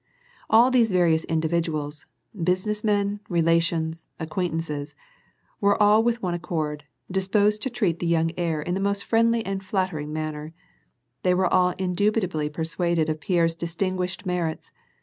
AU these various individuals — business men, relations, ac quaintances — were all with one accord, disposed to treat the young heir in the most friendly and flattering manner ; they were all indubitabl} persuaded of Pierre's distinguished merits.